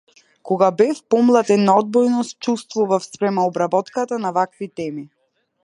Кога бев помлад една одбојност чувствував спрема обработката на вакви теми.